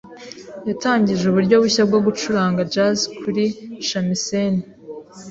Yatangije uburyo bushya bwo gucuranga jazz kuri shamisen.